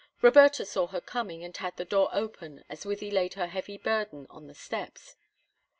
Roberta saw her coming, and had the door open as Wythie laid her heavy burden on the steps.